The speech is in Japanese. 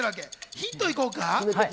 ヒントいこう。